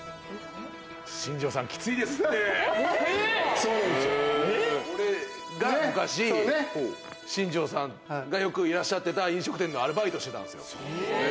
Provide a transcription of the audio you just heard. そうです、俺が昔、新庄さんがよくいらっしゃってた、飲食店のアルバイトしてたんですよ。